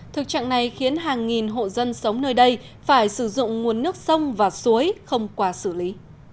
thực trạng này khiến hàng nghìn hộ dân sống nơi đây phải sử dụng nguồn nước sông và suối không qua xử lý